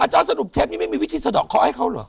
อาจารย์สนุกเชฟไม่มีวิธีสะดอกขอให้เขาหรอ